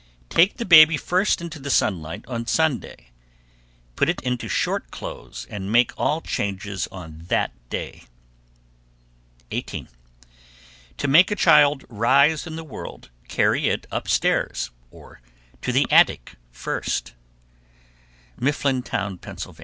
Take the baby first into the sunlight on Sunday. Put it into short clothes and make all changes on that day. 18. To make a child rise in the world, carry it upstairs (or to the attic) first. _Mifflintown, Pa.